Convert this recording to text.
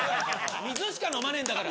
水しか飲まねえんだから！